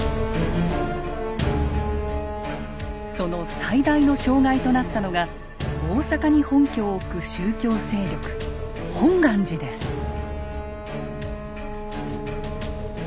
その最大の障害となったのが大坂に本拠を置く宗教勢力本願寺です。